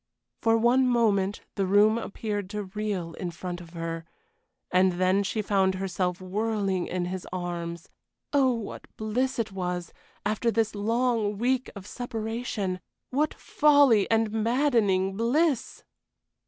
For one moment the room appeared to reel in front of her, and then she found herself whirling in his arms. Oh, what bliss it was, after this long week of separation! What folly and maddening bliss!